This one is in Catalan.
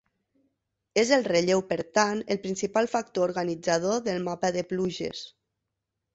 És el relleu, per tant, el principal factor organitzador del mapa de pluges.